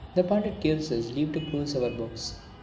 The Pandit gives us leave to close our books.